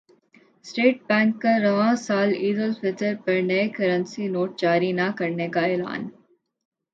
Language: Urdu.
اسٹیٹ بینک کا رواں سال عیدالفطر پر نئے کرنسی نوٹ جاری نہ کرنے کا اعلان